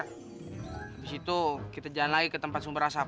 habis itu kita jalan lagi ke tempat sumber asap